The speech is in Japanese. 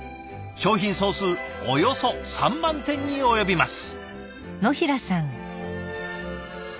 商品総数およそ３万点に及びます。